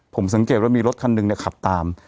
ผมสังเกตว่ามีรถคันหนึ่งขับตาม